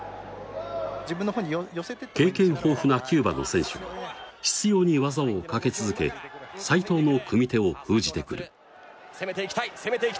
経験豊富なキューバの選手は執拗に技を掛け続け斉藤の組み手を封じてくる攻めていきたい